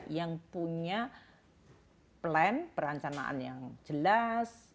yang punya plan perancanaan yang jelas